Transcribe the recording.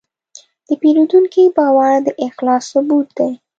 د پیرودونکي باور د اخلاص ثبوت دی.